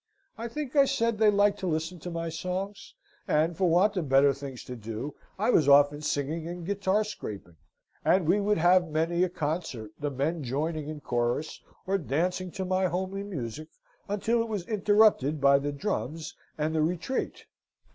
I think I said they liked to listen to my songs, and for want of better things to do, I was often singing and guitar scraping: and we would have many a concert, the men joining in chorus, or dancing to my homely music, until it was interrupted by the drums and the retraite.